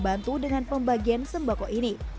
bantu dengan pembagian sembako ini